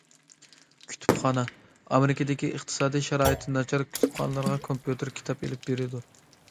كۇتۇپخانا: ئامېرىكىدىكى ئىقتىسادىي شارائىتى ناچار كۇتۇپخانىلارغا كومپيۇتېر، كىتاب ئېلىپ بېرىدۇ.